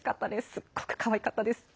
すっごく、かわいかったです。